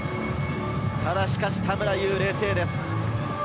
ただしかし、田村優は冷静です。